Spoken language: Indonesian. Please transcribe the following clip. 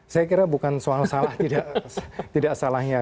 saya kira bukan soal salah tidak salahnya